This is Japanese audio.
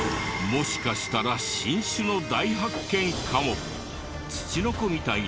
もしかしたら新種の大発見かも！？